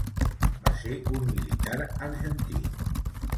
Va ser un militar argentí.